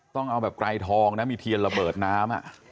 ต้องเอาแบบไกรทองนะมีเทียนระเบิดน้ำ